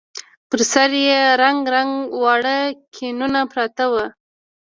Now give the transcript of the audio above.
پر سر يې رنګ رنګ واړه ګېنونه پراته وو.